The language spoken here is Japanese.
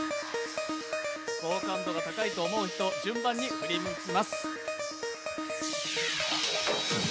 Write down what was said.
好感度の高い人、順番に振り向きます。